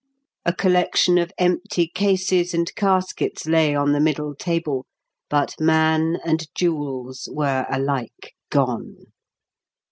A collection of empty cases and caskets lay on the middle table, but man and jewels were alike gone!